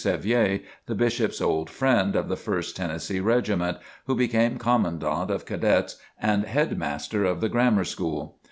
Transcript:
Sevier, the Bishop's old friend of the First Tennessee Regiment, who became Commandant of Cadets and head master of the Grammar School.